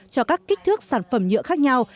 cho các kích thước sản phẩm nhựa khác nhau